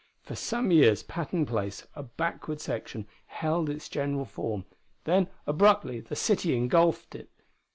For some years Patton Place, a backward section, held its general form; then abruptly the city engulfed it.